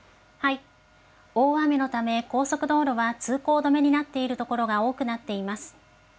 大雨のため、高速道路は通行止めになっている所が多くなっています。